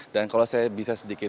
dan kalau saya bisa sedikit